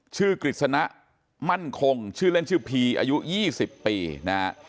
กฤษณะมั่นคงชื่อเล่นชื่อพีอายุ๒๐ปีนะฮะ